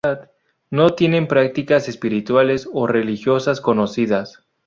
No tienen prácticas espirituales o religiosas conocidas.